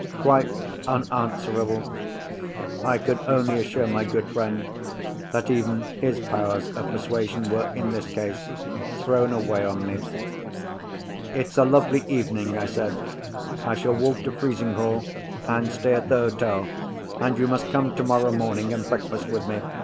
Quite unanswerable! I could only assure my good friend that even his powers of persuasion were, in this case, thrown away on me. "It's a lovely evening," I said. "I shall walk to Frizinghall, and stay at the hotel, and you must come tomorrow morning and breakfast with me.